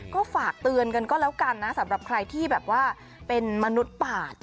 ก็ฝากเตือนกันก็แล้วกันนะสำหรับใครที่แบบว่าเป็นมนุษย์ปาด